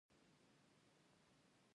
فرانسوي او هسپانوي ژبې هم پکې څیړل کیږي.